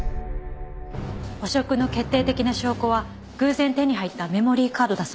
汚職の決定的な証拠は偶然手に入ったメモリーカードだそうです。